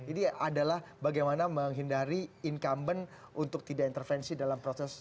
ini adalah bagaimana menghindari incumbent untuk tidak intervensi dalam proses